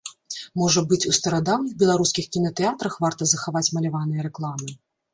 Можа быць, у старадаўніх беларускіх кінатэатрах варта захаваць маляваныя рэкламы?